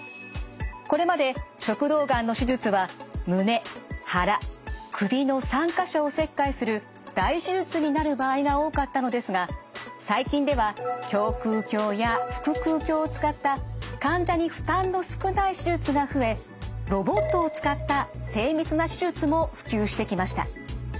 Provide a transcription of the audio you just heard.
これまで食道がんの手術は胸腹首の３か所を切開する大手術になる場合が多かったのですが最近では胸腔鏡や腹腔鏡を使った患者に負担の少ない手術が増えロボットを使った精密な手術も普及してきました。